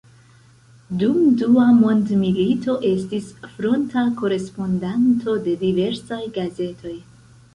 Dum dua mondmilito estis fronta korespondanto de diversaj gazetoj.